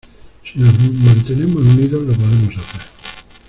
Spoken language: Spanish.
Si nos mantenemos unidos lo podemos hacer.